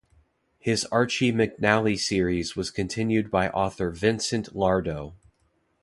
His Archy McNally series was continued by author Vincent Lardo.